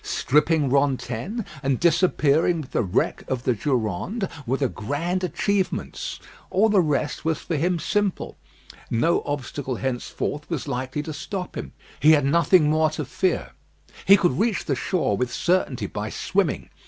Stripping Rantaine, and disappearing with the wreck of the Durande, were the grand achievements. All the rest was for him simple. No obstacle henceforth was likely to stop him. He had nothing more to fear. He could reach the shore with certainty by swimming.